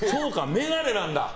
眼鏡なんだ。